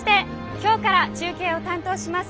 今日から中継を担当します